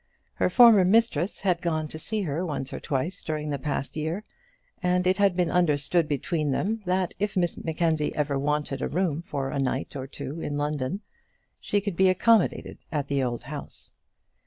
Her former mistress had gone to see her once or twice during the past year, and it had been understood between them, that if Miss Mackenzie ever wanted a room for a night or two in London, she could be accommodated at the old house.